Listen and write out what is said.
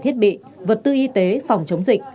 thiết bị vật tư y tế phòng chống dịch